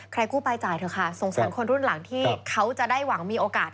กู้ไปจ่ายเถอะค่ะสงสารคนรุ่นหลังที่เขาจะได้หวังมีโอกาส